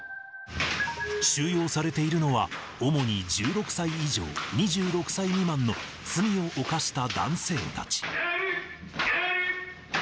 収容されているのは主に１６歳以上２６歳未満の罪を犯した男性たち。